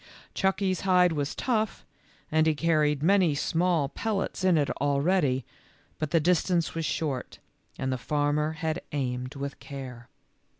Chucky 's hide was tough and he carried many small pel lets in it already, but the distance was short, and the farmer had aimed with care.